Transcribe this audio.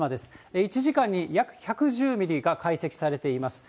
１時間に約１１０ミリが解析されています。